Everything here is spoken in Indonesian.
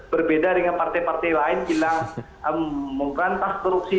berbeda dengan partai partai lain bilang mengperantah korupsi